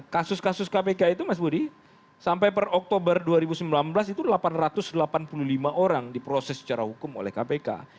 kasus kasus kpk itu mas budi sampai per oktober dua ribu sembilan belas itu delapan ratus delapan puluh lima orang diproses secara hukum oleh kpk